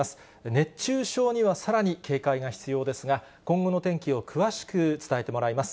熱中症にはさらに警戒が必要ですが、今後の天気を詳しく伝えてもらいます。